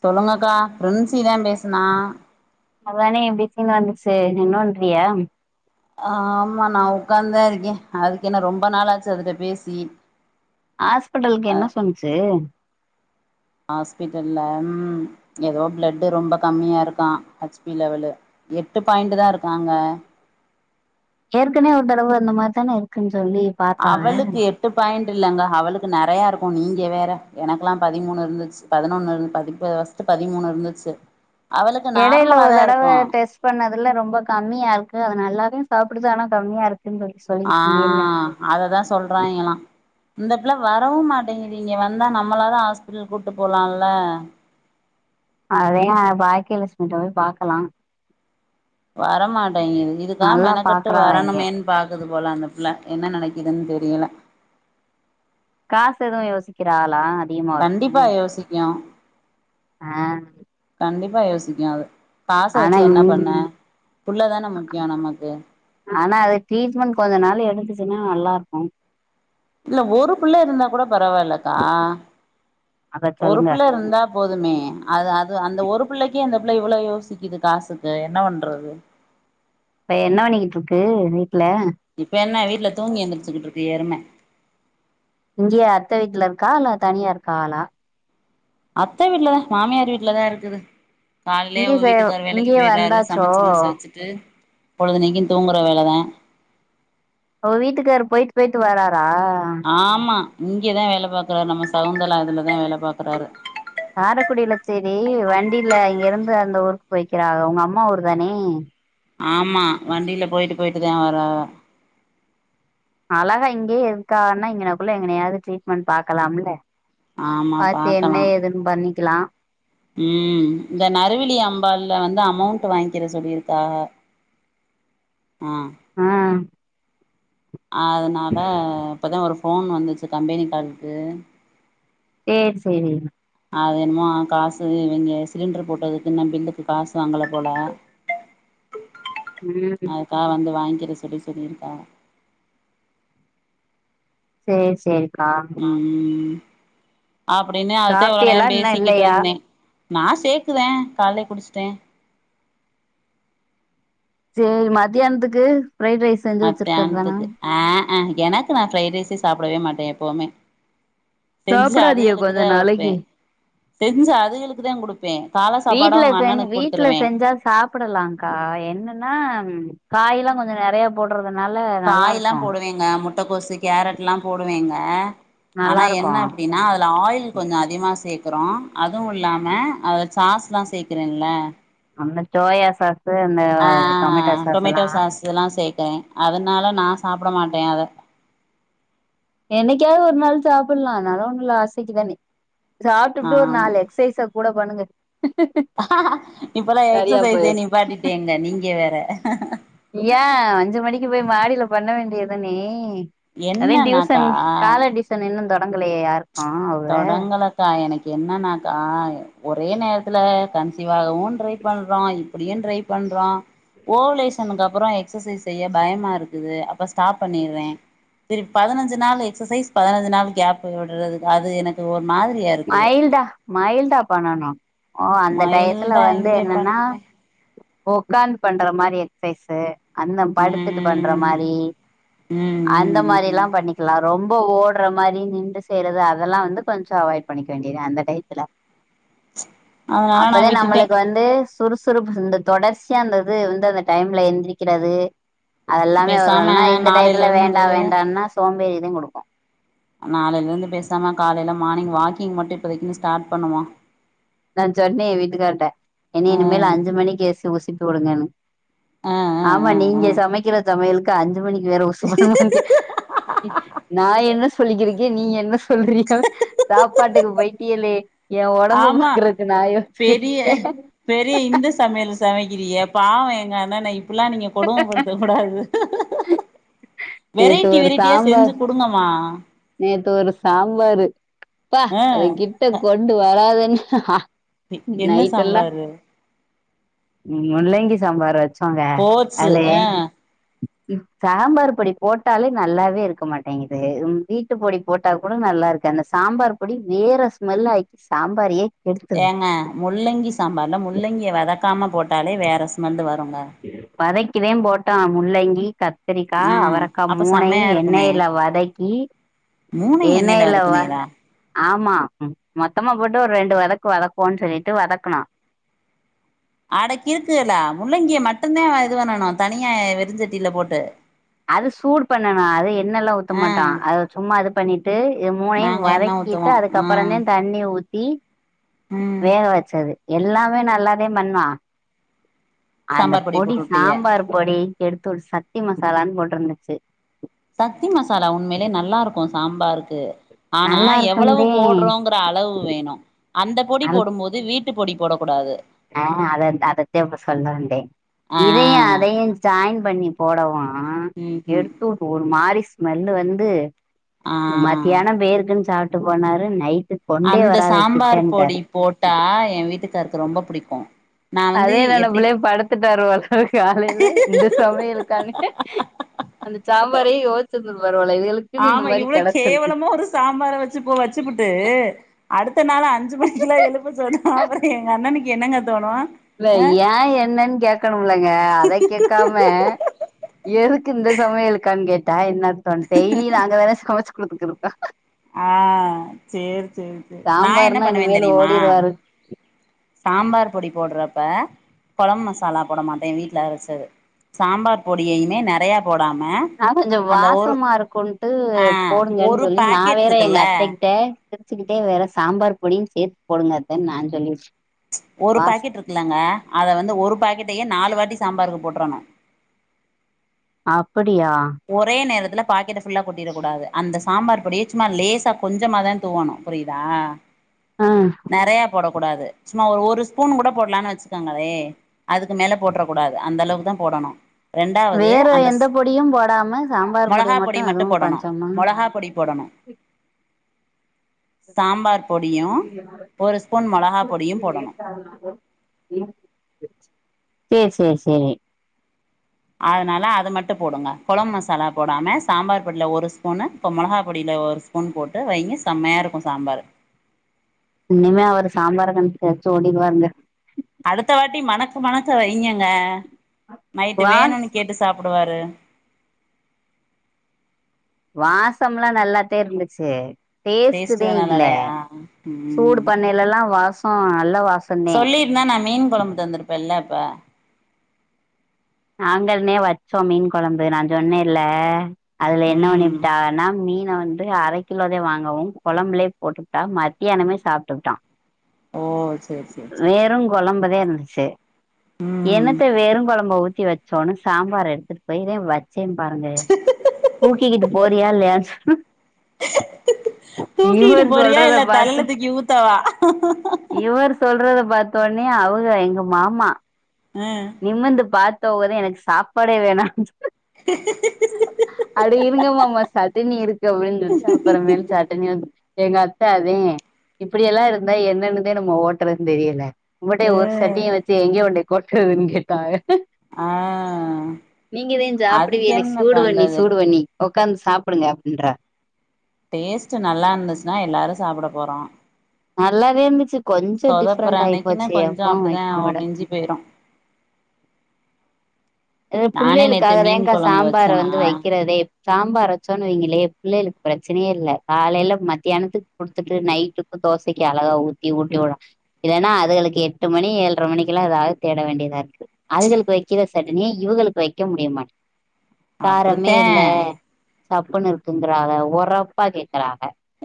சொல்லுங்கக்கா பிரின்சிதா பேசனா அவனே எப்டி பிரின்சினு வந்துச்சு நீனோன்றியா ஆஹ் ஆமா நா உக்காந்தா இருக்கே அதுக்கு என்ன ரொம்ப நாாளாச்சு அதுட்ட பேசி ஹாஸ்பிட்டலுக்கு அ என்ன சொன்னுச்சு ஆஸ்பிட்டல்ல ம் எதோ பிளட்டு ரொம்ப கம்மியா இருக்கா ஹச் பி லெவலு எட்டு பாயிண்ட் தா இருக்காங்க ஏற்கனவே ஒரு தடவ அந்த மாரி தான இருக்குனு அவளுக்கு எட்டு பாயிண்ட் இல்லங்க அவளுக்கு நெறயா இருக்கு நீங்க வேற எனக்குலா பதிமூணு இருந்துச்சு பதினொன்னு பதி [unintelligible] பதிமூணு இருந்துச்சு அவளுக்கு எடைல நார்மலா ஒரு தா தடவ இருக்கு டெஸ்ட் பண்ண வெல்ல ரொம்ப கம்மியா இருக்கு அது நல்லாவே சாப்புடுது ஆனா கம்மியா இருக் ஆஹ் அததா சொல்றாய்ங்கலா இந்த புள்ள வரவு மாட்டேங்கிது இங்க வந்தா நம்மளாவது ஹாஸ்பிட்டல் கூப்ட்டு போலால அதே பாக்கிய லட்சுமிகிட்ட போய் பாக்கலா வரமாட்டேங்குது இதுக்கா நல்லா மெனக்கட்டு பாக்குறாக இங்க வரணுமேன் பாக்குது போல அந்த புள்ள என்ன நெனைக்குதுன்னு தெரியல காசு எதுவு யோசிக்கிறாளா அதிகமா கண்டிப்பா யோசிக்கு ஆஹ் கண்டிப்பா யோசிக்கு அது காச வச்சு என்ன பண்ண இங் புள்ள தான முக்கியோ நமக்கு ஆனா அது ட்ரீட்மெண்ட் கொஞ்ச நாள் எடுத்துச்சுன்னா நல்லாருக்கு இல்ல ஒரு புள்ள இருந்தா கூட பரவால்லக்கா அத ஒரு சொல்லுங்க புள்ள இருந்தா போதுமே அது அது அந்த ஒரு புள்ளைக்கே அந்த புள்ள இவ்ளோ யோசிக்குது காசுக்கு என்ன பண்றது இப்ப என்ன பண்ணிகிட்டு இருக்கு வீட்ல இப்ப என்ன வீட்ல தூங்கி எந்திரிச்சுக்கிட்டு இருக்கு எரும இங்கேயே அத்த வீட்ல இருக்கா இல்ல தனியா இருக்காலா அத்த வீட்லதா மாமியார் வீட்லதா இருக்குது கால்லே இங்கேயே அவுங்க சே வீட்டுக்கார் வேலைக்கு இங்கேயே போயட்றாரு வந்தாச்சோ சமைச்சு கிமச்சு வச்சுட்டு பொழுதனைக்கு தூங்கற வேலதா அவ வீட்டுகார் போய்ட்டு போய்ட்டு வரா ஆமா இங்கதா வேல பாக்குறாரு நம்ம சகுந்தலா இதுலதா வேல பாக்குறாரு காரக்குடில சேரி வண்டில இங்க இருந்து அந்த ஊருக்கு போய்க்கிறா உங்க அம்மா ஊர் தானே ஆமா வண்டில போய்ட்டு போய்ட்டுதா வரா அழகா இங்கயே இருக்காகன்னா இங்கனகுள்ள எங்கனையாவது ட்ரீட்மெண்ட் பாக்கலாம்ல ஆமா பாத்து என்ன ஏதுன்னு பண்ணிக்கலா உம் இந்த நறுவிழி அம்பால்ல வந்து அமௌண்ட் வாங்கிற சொல்லியிருக்காக ஆ அதனால இப்பதா ஒரு ஃபோன் வந்துச்சு கம்பெனி காலுக்கு சேரி சேரி அது என்னமோ காசு இவிங்க சிலிண்ட்ரு போட்டதுக்கு இன்னு பில்லுக்கு காசு வாங்கல போல ம் அதுக்காக வந்து வாங்கிக்கிற சொல்லி சொல்லிருக்காக சேரி சேரி ம் ம் அப்டின்னு அததே இவ்ளோ சாப்ட்டியல்லா நேரோ இன்னு இல்லையா பேசிக்கிட்டுருந்தே நா சேக்குதே கால்லயே குடிச்சிட்டே மத்தியானத்துக்கு பிரைட் ரைஸ் செஞ்சு வச்சிருக்றது தான மத்தியானத்துக்கு ஆ ஆ எனக்கு நா ஃப்ரைட் ரைஸ்சே சாப்டவே மாட்டே எப்பவுமே செஞ்சு சாப்டாதியா கொஞ்ச அதுகளுக்குதா வப்பே நாளைக்கு செஞ்சு அதுகளுக்கு தா குடுப் வீட்ல செஞ் வீட்ல செஞ்சா சாப்டலாக்கா என்னன்னா காய்ல்லா கொஞ்சோ நெறைய போடுற காய்ல்லா போடுவேங்க முட்டகோசு கேரட்ல்லா போடுவேங்க நல்லா ஆனா இருக்கு என்ன அப்டின்னா அதுல ஆயில் கொஞ்சோ அதிகமா சேக் க்கறோ அதுவு இல்லாம அதுல சாஸ்ல்லா சேக்குறேன்ல அந்த சோயா சாஸ் அந்த ஆ டொமேட்டோ எல்லா டொமேட்டோ சாஸ் இதுல்லா சேக்றே அதனால நா சாப்ட மாட்டே அத என்னைக்காவது ஒரு நாள் சாப்டலா அதனால ஒன்னு இல்ல ஆசைக்கி தானே சாப்ட்டுபுட்டு ஒரு நாலு எக்சைஸ கூட பண்ணுங்க இப்பெல்லா சரியா எக்சசைஸே போயிரு நிப்பாட்டி டேங்க நீங்க வேற ஏ அஞ்சி மணிக்கு போய் மாடில பண்ண வேண்டியதானே அதே என்னன்னாக்கா டியூசன் கால டியூசன் இன்னு தொடங்கலையே யாருக் தொடங்கலக்கா எனக் என்னன்னாக்கா ஒரே நேரத்துல கன்சிவாகவு ட்ரை பண்றோ இப்டியு ட்ரை பண் றோ ஓவலேஷனுக்கு அப்பறோ எக்சசைஸ் செய்ய பயமா இருக்குது அப்ப ச ஸ்டாப் பண்ணிர்றே திருப்பி பதினஞ்சு நாள் எக்ஸசைஸ் பதினஞ்சு நாள் கேப் விடுறது அது எனக்கு ஒ மைல்டா மைல்டா பண்ணணு ஓ அந்த டயத்துல மைல்டா வந்து எங்க என்னன்னா பண்றே ஒக்காந்து பண்ற மாரி எக்சசைஸ் அந்த படுத்துட்டு பண்ற ம் மாரி ம் அந்த ம் மாரில்லா ம் பண்ணிக்கலா ரொம் ப ஓடுற மாரி நின்று செய்றது அதெல்லா வந்து கொஞ்சோ அவாய்ட் பண்ணிக்க வேண்டியதுதா அந்த டயத்துல அதனால நா அப்பதா விட்டுட்டே நம்மளுக்கு வந்து சுறுசுறுப்பு இந்த தொடர்ச்சியா அந்தது வந்து அந்த டைம்ல எந்திரிக்கிறது அதெல்லாமே வரு பேசாம இல்லனா இந்த நாளையில டயத்துல வேண்டா இருந்து வேண்டான்னா சோம்பேறிதா குடுக்கு நாளைல இருந்து பேசாம காலேல மார்னிங் வாக்கிங் மட்டு இப்பதைக்குன்னு ஸ்டார்ட் பண்ணுவோ நா சொன்னே ஏ வீட்டுக்கார்ட என்ன ஆ இனிமேல் அஞ்சி மணிக்கு எஸ் உசிப்பி வுடுங்கன்னு ஆ ஆ ஆமா ஆ ஆ நீங்க சமக்கிற சமையலுக்கு அஞ்சி மணிக்கு வேற உசுப்பனுமான் கே நா என்ன சொல்லிக்கிருக்கே நீ என்ன சொல்றீக சாப்பாட்டுக்கு போய்ட்டியல்லே ஏ ஒடம்ப ஆமா பெரிய பெரிய இந்த சமயல சமக்கிறீக பாவோ எங்க அண்ணனா இப்டிலா நீங்க கொடுமபடுத்தக் கூடாது நேத்து வெரைட்டி ஒரு வெரைட்டியா செஞ்சு சாம்பார் குடுங்கம்மா நேத்து ஒரு சாம்பாரு ப்பா ஆ அத கிட்ட கொண்டு வராத ஹ அது என்ன சாம்பாரு ம் முள்ளங்கி சாம்பார் வச்சோங்க போட்ஸு அதுல ஆ சாம்பார் பொடிப் போட்டாலே நல்லாவே இருக்க மாட்டேங்குது வீட்டு பொடி போட்டா கூட நல்லா இருக்கு அந்த சாம்பார் பொடி வே வேற ஸ்மெல்ல ஆயிருச் சாம்பாரயே ஏங்க முள்ளங்கி சாம்பார்ல முள்ளங்கிய வதக்காம போட்டாலே வேற ஸ்மெல்லு வரு வதக்கிதே போட்டோ முள்ளங்கி கத் கத்திரிக்கா ஆ அவரக்கா அப்ப மூனையு செம்மையா இருக்குமே எண்ணெயில வதக்கி மூணையு எண்ணெயில எண்ணேல வ வதக்குனீகளா ஆமா மொத்தமா போட்டு ஒரு ரெண்டு வதக் வதக்குவோன்னு சொல்லிட்டு வதக்குனா அட கிறுக்குகள முள்ளங்கிய மட்டுதே இது பண்ணனு தனியா வெருஞ்சட்டில போட்டு அது சூடு பண்ணவே அத எண்ணலா ஆ ஊத்தமாட்டா அத சும்மா அது பண்ணிட்டு இது மூனையும் நாங்க எண்ண வதக் ஊத்துவோ க்கிட்டு ஆ அதுக்கப்புறதே தண்ணி ஊத் த்தி ம் வேக வச்சது எல்லாமே நல்லாதே பண்ணுவா அந்த சாம்பார் பொடி போட்டுவுட்டீக சாம்பார் பொடி எடுத்து சத்தி மசாலான்னு போட்ருந்துச்சு சக்தி மசாலா உண்மைலேநல்லா இருக்கு சாம்பாருக்கு ஆனா நல்லா எவ்வளவு இருக்குந்தே போடுறோங்கிற அளவு வேணு அந்த பொடி நல் போடும் போது வீட் வீட்டு பொடி போடக்கூடாது ஆ அத அதத்தே இப்ப சொல்லவந்தே ஆ இதையு அதையு சாய்ன் பண்ணி போடவு ம் ம் எடுத்து ஒரு மாறி ஸ்மெல்லு வந்து ஆ மத்யான பேருக்குன்னு சாப்ட்டு போனாரு நைட் அந்த சாம்பார் பொடி போட்டா ஏ வீட்டுக்காருக்கு ரொம்ப புடிக்கு நா வந்து அதே எப்டி நினப்புலே படுத்துட்டாரு போலருக்கு காலையில இந்த சமையலக்கானு அந்த சாம்பாரே யோச்சு ஆமா இவ்ளவ் கேவலமா ஒரு சாம்பார வச்சு வச்சுப்புட்டு அடுத்த நாள அஞ்சு மணிக்குலா எழுப்ப சொன்ன அப்றோ எங்க அண்ணனுக்கு என்னங்க தோணு பே அ ஏ என்னன் கேகணும்லங்க அத கேக்காம எதுக்கு இந்த சமயலுக்கான் கேட்டா என்னர்தோ டெய்லியி நாங்க தானே சமைச்சு குடுத்துகிட்ருக்கோ ஆ சேரி சேரி சேரி நா என்ன சாம்பார்னா பண்ணுவேனு இனிமேல் தெரியுமா ஓடிருவாரு சாம்பார் பொடி போடுறப்ப குழம்ப மசாலா போட மாட்டே வீட்டுல அரைச்சது சாம்பார் பொடியுமே நிறைய நா கொஞ்சோ வாசமா இருக்குன்டு ஆ போடுங்கன்னு ஒரு சொல்லி நான் பாக்கெட் வேறே எங்க இருக்குல்ல அத்தைகிட்ட சிரிச்சுக்கிட்டே வேற சாம்பார் பொடியு சேத்து போடுங்க அத்தேனு நா சொல்லிவிட் ஒரு பாக்கெட் இருக்குலங்க அத வந்து ஒரு பாக்கெட்டயு நாலு வாட்டி சாம்பாருக்கு போட்றனு அப்படியா அதுல பாக்கெட்ட புல்லா கொட்டிற கூடாது அந்த சாம்பார் பொடி சும்மா லேசா கொஞ்சமாதா தூவணு புரியுதா ஆ நிறைய போடக் கூடாது சும்மா ஒரு ஸ்பூன் கூட போடலாம்னு வச்சுக்கங்கவே அதுக்கு மேல போற்ற கூடாது அந்த அளவுக்கு தான் போட டனு ரெண்டாவது வேற அந்த எந்த பொடியு போடாம சாம்பார் மொளகா பொடி மட்டு அதுவு போடணு கொஞ்சமா மொளகா பொடி போடணு சாம்பார் பொடியு ஒரு ஸ்பூன் மொளகா பொடியு போடணு சேரி சேரி சேரி அதனால அது மட்டு போடுங்க குழம் மசாலா போடாம சாம்பார் பொடில ஒரு ஸ்பூனு இப்போ மிளகா பொடில ஒரு ஸ்பூன் போட்டு வைங்க செம்மையா இருக்கு சாம்பாரு இனிமே அவரு சாம்பார கண்டு தெரிச்சு ஓடிருவாங்க அடுத்த வாட்டி மணக்க மணக்க வைங்கங்க நைட்டு வாஸ் வேணும்னு கேட்டு சாப் ப்டுவாரு வாசம்ல்லா நல்லத்தே இருந்துச்சு டேஸ்ட்டுதே டேஸ்ட்டு நல்லா இல்ல இல்லையா சூடு ம் பண்ணேலல்லா வாசோ நல்லா வா சொல்லிருந்தா நா மீன் குழம்பு தந்திருப்பேல்ல இப்ப நாங்கள்மே வச்சோ மீன் கொழம்பு நா சொன்னேல்ல அதுல என்ன ம் வண்ணிப்புட்டான்னா மீ ன வந்து அர கிலோதே வாங்கவு கொழம்ப்லே போட்டுப்ட்டா மத்தியானமே சாப்ட்டுப்ட்டா ஓ சேர் சேர் சே சே புதே இருந்துச்சி என்னத்த வெறுங் கொழம்ப ஊத் தி வச்சோணு சாம்பார எடுத்துட் போய்தே வச் சே பாருங்க தூக்கிக்கிட்டு போறியா இல்லையான் சொ தூக்கிக்கிட்டு இவர் போறியா சொல்றத இல்ல பாத்து தலைல தூக்கி ஊத்தவா இவர் சொல்றத பாத் த ஒன்னே அவுஹ எங்க மாமா ம் நிமுந்து பாத்த வோதே எனக்கு சாப்பாடே வேணா அட இருங்க மாமா சட்டினி இருக்கு அப்டின் சொல்ட்டு அப்பறமேல் சட்டினிய எங்க அத்தே அதையி இப்படியெல்லா இருந்தா என்னன்னுதே நம்ம ஓட்றதுன் தெரியல உங்கட்டையு ஒரு ம் சட்னிய வெச்சி எங்கெ கொண்டோய் கொட்றதுன் கேட்டாங்க ஆ நீங்கதே அதுக்கு சாப்டுவீயலே என்ன சூடுவண்ணி பண்றது சூடுவண்ணி ஒக்காந்து சாப்புடுங்க அப்டின்றா டேஸ்ட்டு நல்லாருந்துச்சுன்னா எல்லாரு சாப்ட போறோ நல்லாதே இருந்துச்சி கொஞ்ச சொதப்புற டிஃப்ரெண்ட்டாய்ப் அன்னைக்குன்னா போச்சி கொஞ்சோ எப்பவு அப்டிதா வக்கிறதோட மிஞ்சி போயிரு இது நானே நேத்து மீன் புள்ளையளுக்காகதேங்க்கா கொழம்பு சாம்பார வச்சேனா வந்து வைக்கிறதே சாம்பார் வச்சோன் வெய்ங்க ளே புள்ளையளுக்கு ப்ரச்சனையே இல்ல காலையில மத்தியானத்துக் குடுத்துட்டு நைட்டுக்கு தோசக்கி அழகா ஊத்தி ஊட்டிவிட்றொ இல்லேனா அதுகளுக்கு எட்டு மணி ஏழ்ர மணிக்கெல்லா எதாது தேட வேண்டியதா இருக்கு அதுகளுக்கு வெக்கிற சட் னி இவுகளுக்கு வெக்க முடிய மாட் காரமே அப்டித்தே இல்ல சப்புனு இருக்குங்கிறாவ ஒரப்பா கேக்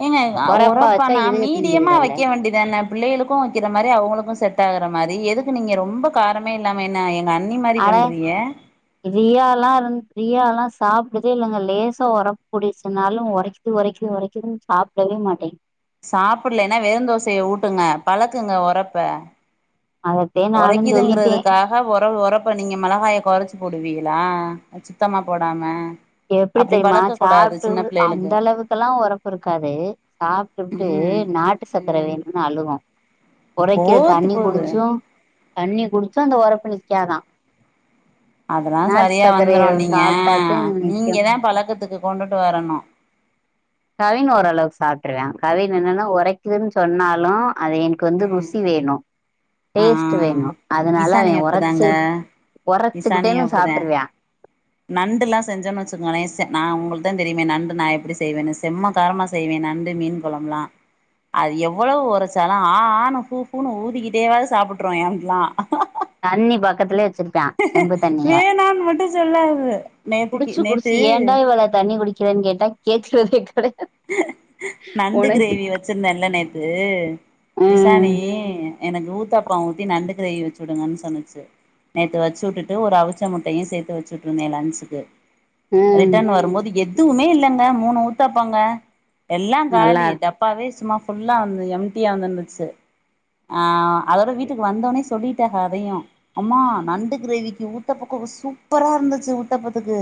ஏங்க ஆ ஒறப்பானா இதுக மீடியமா திங்குதுகல்ல வெக்க வேண்டிதான புள்ளையளுக்கு வெக்கிற மாரி அவுங்களுக்கு செட்டா குற மாரி எதுக்கு நீங்க ரொம்ப காரமே இல்லாம என்ன எ அட ரியால்லா இருந் ரியால்லா சாப்றதே இல்லங்க லேசா ஒரப் கூடிச்சின்னாலு ஒரக்கிது ஒரக்கிது ஒரக்கிதுன் சாப்டவே மாட்டே சாப்புட்லேன்னா வெறுந் தோசைய ஊட்டுங்க பழக்குங்க ஒரப்ப அதத்தே நானு சொல்லிட்டே ஒரக்கிதுங்குறதுக்காக ஒர ஒரப்ப நீங்க மெளஹாய கொறச்சி போடுவீங்க ளா அ சுத்தமா போடாம எப்டி அப்டி தெரிமா பழக்க கூடாது சாப்ட்டு சின்ன பிள்ளைகளுக்கு அந்த அளவுக்கல்லா ஒரப்பு இருக்காது சாப்ட்டுப்புட்டு ம் டு நாட்டு சக்கர ம் வேணுன் அழுவு ஒரைக்க போட்டு தண்ணிக் போது குடிச்சு தண்ணிக் குடிச்சு அந்த ஒரப்பு நிக்காதா அதெல்லா நாட்டு சரியா வந்துரு சக்கரைய நீங்க சாப்ட்டாத்தே நிக் க்யு நீங்கதா பழக்கத்துக்கு கொண்டுட்டு வரணு கவின் ஓரளவுக்கு சாப் ட்ர்ரா கவின் என்னன்னா ஒரக்கிதுன் சொன்னாலு அவேன்க்கு வந்து ருசி வேணு ஆ டேஸ்ட்டு வேணு அதுனால இசானி அவெ ஒரச்சு அப்டிதாங்க இசானியு ஒரச்சுக்கிட்டேனு அப்டிதா சாப்ட்ருவ்யா நண்டுல்லா செ ஞ்சம்னு வச்சுக்கொங்ளே செ நா உங்களுக்தே தெரியிமே நண்டு நா எப்டி செய்வேனு செம்ம காரமா செய்வே நண்டு மீன் கொழம்புலா அது எவ்வளோவ் ஒரச்சாலு ஆ ஆணு ஃபூ ஃபூனு ஊதிகிட்டேவாது சாப்புட்ருவியா [unintelligible] தண்ணி பக்கத்துலே வ ச்சிருப்பா செம்பு தண்ணிய வேணான்னு மட்டு சொல்லாது நேத்திக்கு குடிச்சு குடிச்சி நேத்து ஏண்டா இவ்வள தண்ணி குடிக் கிறன் கேட்டா கேக்குறதேக் நண்டு க்ரேவி வெச்சிருந்தேன்ல நேத்து நிசானி ம் எனக்கு ஊத்தாப்பொ ஊத்தி நண்டு க்ரேவி வச்சு உடுங்கன் சொன்னுச்சு நேத்து வச்சு உட்டுட்டு ஒரு அவிச்ச முட்டையு சேத்து வச்சு உட்ருந்தே லன்ச்சுக்கு ம் ரிட்டன் வரும்போது எதுவுமே இல்லங்க மூணு ஊத்தாப்பொங்க எல்லா காலி நல்லாருக் டப்பாவே சும்மா ஃபுல்லா வந்து எம்டியா வந்துந்துச்சு ஆ அதோட வீட்டுக்கு வந்த ஒன்னே சொல்லி த்தக அதயு அம்மா நண்டு கிரேவிக்கு ஊத்தப்பக்கு ரு சூப்பராருந்துச்சு ஊத்தாபத்துக்கு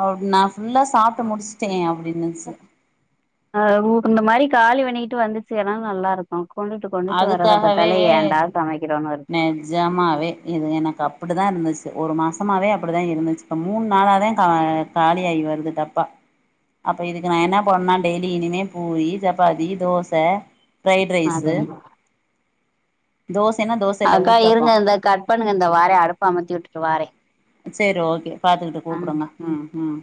அவுட் நா ஃபுல்லா சாப்ட்டு முடிஷ்ட்டே அப்டின்னுச்சு அ உ இந்த மாரி காலி பண்ணிக்கிட்டு வந்துச்சுகனா நல்லாருக்கு அதுக்காகவே சமைக்கிறோன்னு இருக்கு நெஜ்ஜமாவே இது எனக் அப்புடுதா இர்ந்துச்சு ஒரு மாசமாவே அப்டுதா இருந்துச் அ மூண் நாளாதே கா காலிஆயி வருது டப்ப அப்ப இதுக்கு நா என்ன பண்ணுனா டெய்லி இனிமே பூரி சப்பாத்தி தோச ஃப்ரைட் ரைஸு அதேதா தோசைன்னா தோச இல்ல அக்கா ஊத்தாப்போ இருங்க இந்தா கட் பண்ணுங்க இந்தா வாரே அடுப்ப அமத்தி உட்டுட்டு வாரே சேரி ஓகே பாத்துக்குட்டு ஆஹ் கூப்புடுங்க ம் ம்